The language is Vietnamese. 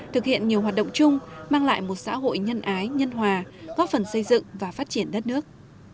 thực hiện nhiều hoạt động chung mang lại một xã hội nhân ái nhân hòa góp phần xây dựng và phát triển đất nước